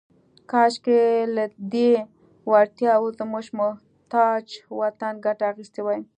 « کاشکې، لهٔ دې وړتیاوو زموږ محتاج وطن ګټه اخیستې وای. »